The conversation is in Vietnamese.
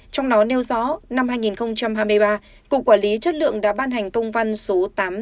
trong đó nêu rõ năm hai nghìn hai mươi ba cục quản lý chất lượng đã ban hành công văn số